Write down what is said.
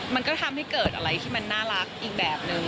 มันก็ทำให้เกิดอะไรที่มันน่ารักอีกแบบนึง